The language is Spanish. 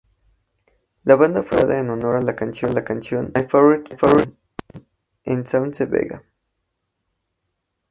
La banda fue nombrada en honor a la canción "My Favorite Plum"de Suzanne Vega.